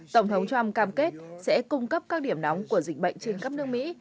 tổng thống trump cam kết sẽ cung cấp các điểm nóng của dịch bệnh trên khắp nước mỹ